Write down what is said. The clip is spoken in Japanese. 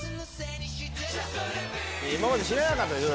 今まで知らなかったでしょ